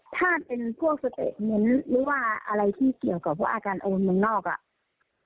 ถ้าเป็นพวกสเตะเงินหรือว่าอะไรที่เกี่ยวกับพวกอาจารย์โอนบนนอกอ่ะ